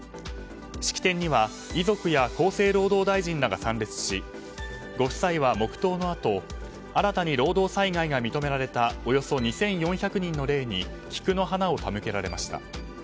式典には遺族や厚生労働大臣らが参列しご夫妻は黙祷のあと新たに労働災害が認められたおよそ２４００人の霊に菊の花を手向けられました。